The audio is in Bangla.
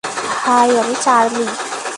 হাই, আমি চার্লি।